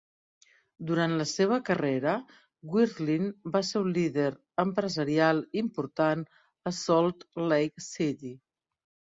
Durant la seva carrera, Wirthlin va ser un líder empresarial important a Salt Lake City.